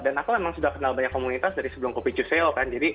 dan aku memang sudah kenal banyak komunitas dari sebelum kopi chuseo kan